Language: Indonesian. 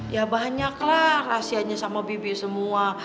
ya banyak lah rahasianya sama bibi semua